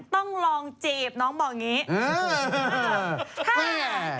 ต้องลองจีบน้องบอกอย่างนี้